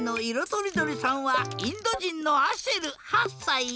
とりどりさんはインドじんのアシェル８さい。